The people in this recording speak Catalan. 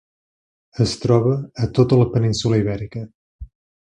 Es troba a tota la península Ibèrica.